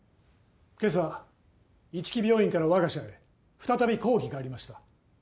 今朝一木病院からわが社へ再び抗議がありました。